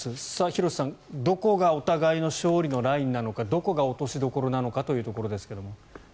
廣瀬さん、どこがお互いの勝利のラインなのかどこが落としどころなのかというところですが。